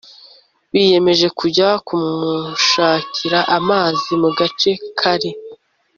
biyemeza kujya kumushakira amazi mu gace kari